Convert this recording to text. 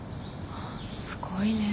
すごいね。